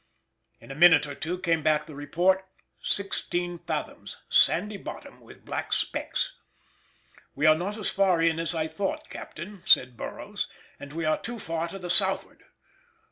In a minute or two came back the report, "sixteen fathoms—sandy bottom with black specks." "We are not as far in as I thought, Captain," said Burroughs, "and we are too far to the southward.